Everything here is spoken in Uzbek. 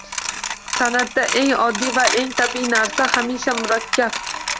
San’atda eng oddiy va tabiiy narsa hamisha murakkab.